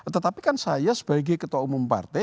tetapi kan saya sebagai ketua umum partai